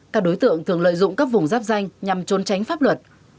các đối tượng thường lợi dụng các vùng giáp danh nhằm trốn tránh pháp luật